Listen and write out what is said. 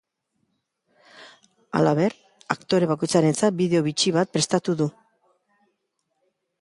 Halaber, aktore bakoitzarentzat bideo bitxi bat prestatu du.